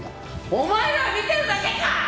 「お前らは見てるだけか！」